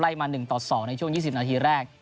มา๑ต่อ๒ในช่วง๒๐นาทีแรก